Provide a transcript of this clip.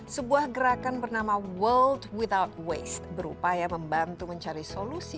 sebuah gerakan bernama world without waste berupaya membantu mencari solusi